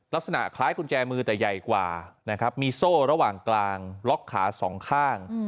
ลักษณะคล้ายกุญแจมือแต่ใหญ่กว่านะครับมีโซ่ระหว่างกลางล็อกขาสองข้าง